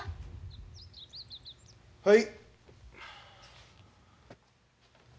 はい。